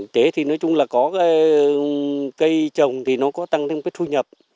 thế thì nói chung là có cái cây trồng thì nó có tăng thêm cái thu nhập